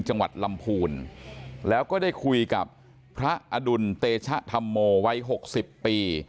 จังหวัดลำพูนแล้วก็ได้คุยกับพระอดุลเตชะธรรมโมวัย๖๐ปี